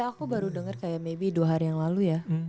ya aku baru denger kayak maybe dua hari yang lalu ya